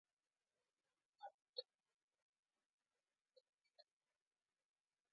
hal itu sebaiknya dibicarakan antara kita saja